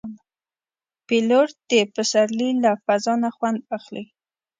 پیلوټ د پسرلي له فضا نه خوند اخلي.